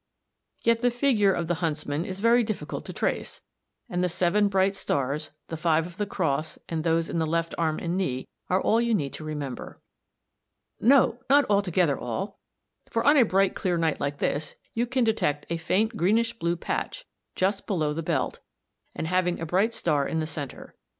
Yet the figure of the huntsman is very difficult to trace, and the seven bright stars, the five of the cross and those in the left arm and knee, are all you need remember. No! not altogether all, for on a bright clear night like this you can detect a faint greenish blue patch (N, Fig. 54) just below the belt, and having a bright star in the centre.